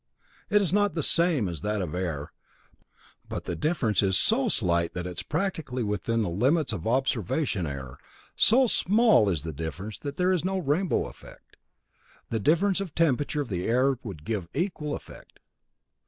It is not the same as that of air, but the difference is so slight that it is practically within the limits of observation error; so small is the difference that there is no 'rainbow' effect. The difference of temperature of the air would give equal effect.